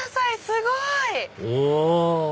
すごい！お！